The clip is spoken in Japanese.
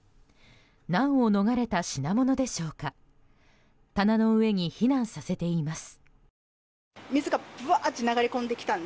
難を逃れた品物でしょうか棚の上に避難させています。